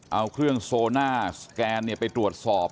เอาเครื่องโซน่าสแกนไปตรวจสอบ